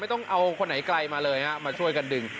ต้องเอาคนไหนไกลมาเลยฮะมาช่วยกันดึง